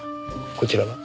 こちらは？